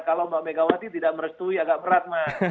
kalau mbak megawati tidak merestui agak berat